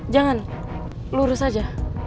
jangan lurus aja